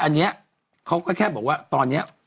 อันนี้เขาก็แค่บอกว่าตอนนี้